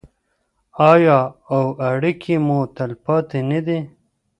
آیا او اړیکې مو تلپاتې نه دي؟